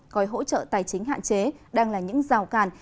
coi hỗ trợ tài chính hạn chế đang là những rào càn